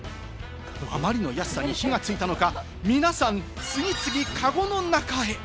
あまりの安さに火がついたのか、皆さん、次々カゴの中へ。